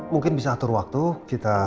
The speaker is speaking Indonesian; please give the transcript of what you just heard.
mungkin bisa atur waktu kita